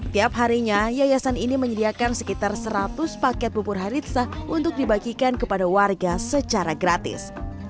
tiap harinya yayasan ini menyediakan sekitar seratus paket bubur haritsa untuk dibagikan kepada warga secara gratis